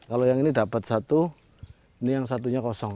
kalau yang ini dapat satu ini yang satunya kosong